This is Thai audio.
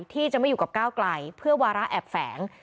ที่จะไม่อยู่กับก้าวไกลเพื่อวาระแอบแฝง